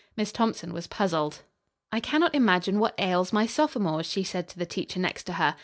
Miss Thompson was puzzled. "I cannot imagine what ails my sophomores," she said to the teacher next to her.